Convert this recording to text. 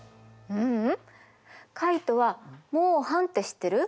ううんカイトは盲斑って知ってる？